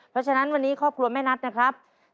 เพราะฉะนั้นวันนี้ครอบครัวแม่นัทนะครับ